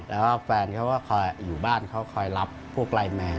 แล้วแฟนเขาก็คอยอยู่บ้านเขาคอยรับพวกไลน์แมน